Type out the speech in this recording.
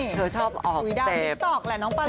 เธอชอบออกเต็บ